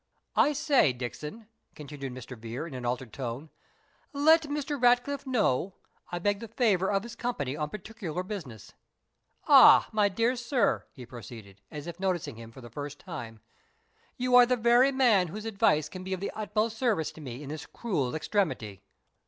"I say, Dixon," continued Mr. Vere, in an altered tone, "let Mr. Ratcliffe know, I beg the favour of his company on particular business. Ah! my dear sir," he proceeded, as if noticing him for the first time, "you are the very man whose advice can be of the utmost service to me in this cruel extremity."